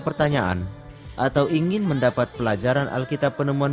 kiranya tuhan memberkati kita semua